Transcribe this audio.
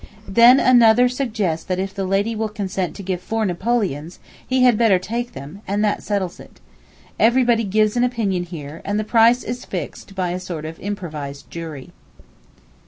Then another suggests that if the lady will consent to give four napoleons, he had better take them, and that settles it. Everybody gives an opinion here, and the price is fixed by a sort of improvised jury.